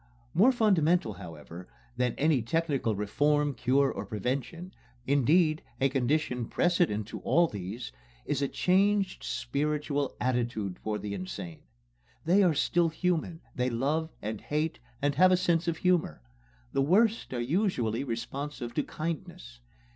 More fundamental, however, than any technical reform, cure, or prevention indeed, a condition precedent to all these is a changed spiritual attitude toward the insane. They are still human: they love and hate, and have a sense of humor. The worst are usually responsive to kindness.